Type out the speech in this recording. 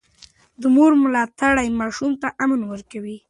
د مور ملاتړ ماشوم ته امن ورکوي.